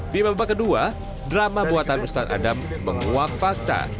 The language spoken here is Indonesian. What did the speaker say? di babak kedua drama buatan ustadz adam menguap fakta